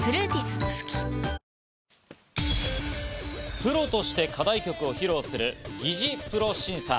プロとして課題曲を披露する擬似プロ審査。